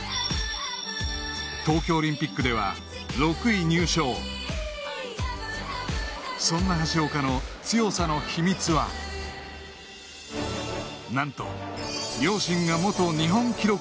東京オリンピックでは６位入賞そんな橋岡の強さの秘密は何と両親が元日本記録